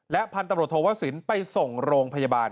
พันธุ์ตำรวจโทวสินไปส่งโรงพยาบาล